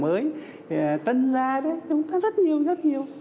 mới tân gia đấy chúng ta rất nhiều rất nhiều